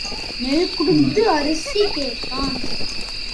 நெல் கொடுத்து அரிசி கேட்டான்.